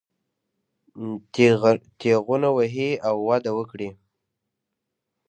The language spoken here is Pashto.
تېغونه ووهي او وده وکړي.